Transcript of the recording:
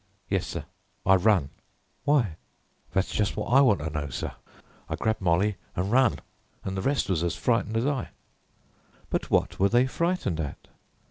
"Yes, sir; I run." "Why?" "That's just what I want to know, sir. I grabbed Molly an' run, an' the rest was as frightened as I." "But what were they frightened at?"